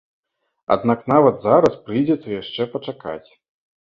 Аднак, нават зараз прыйдзецца яшчэ пачакаць.